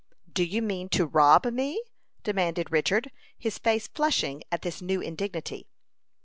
"Do you mean to rob me?" demanded Richard, his face flushing at this new indignity.